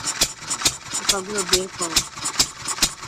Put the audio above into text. পোকাগুলো বের করো।